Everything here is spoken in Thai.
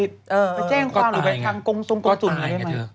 มาแจ้งความหรือทางกงงกระจุมอะไรไหม